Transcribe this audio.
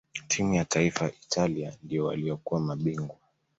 timu ya taifa ya italia ndio waliokuwa mabingwa